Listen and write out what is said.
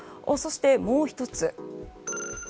そしてもう１つ。